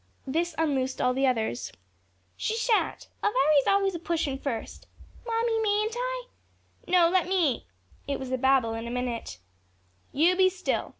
This unloosed all the others. "She shan't; Elviry's always a pushin' first." "Mammy, mayn't I?" "No, let me." It was a babel in a minute. "You be still."